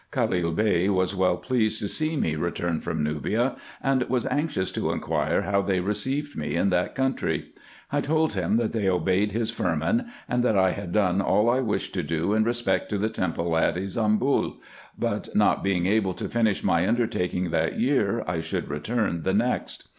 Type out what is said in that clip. Calil Bey was well pleased to see me returned from Nubia, and was anxious to inquire how they received me in that country. I told him, that they obeyed his firman, and that I had done all I wished to do in respect to the temple at Ybsambul ; but not being able to finish my undertaking that year, I should return the next.